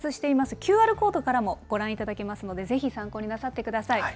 ＱＲコードからもご覧いただけますので、ぜひ参考になさってください。